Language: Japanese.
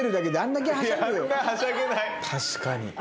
確かに。